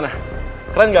pak gimana keren gak itu